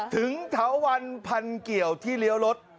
ถาวันพันเกี่ยวที่เลี้ยวรถ